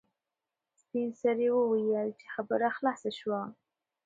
سپین سرې وویل چې خبره خلاصه شوه.